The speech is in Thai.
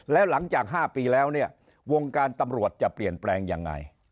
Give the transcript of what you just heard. แล้วหลังจาก๕ปีแล้วเนี่ยวงการตำรวจจะเปลี่ยนแปลงยังไง